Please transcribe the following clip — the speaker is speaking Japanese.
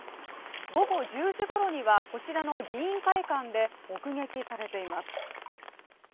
午後１０時ごろには、こちらの議員会館で目撃されています。